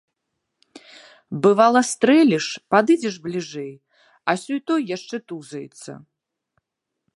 Бывала, стрэліш, падыдзеш бліжэй, а сёй-той яшчэ тузаецца.